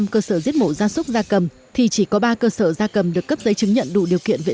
cơ sở giết mổ gia súc gia cầm thì chỉ có ba cơ sở gia cầm được cấp giấy chứng nhận đủ điều kiện vệ